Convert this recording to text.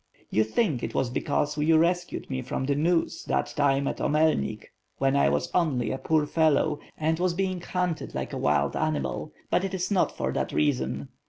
"You think it was because you rescued me from the noose that time at Omelnik, when I was only a poor fellow and was being hunted like a wild animal; but it is not for that reason.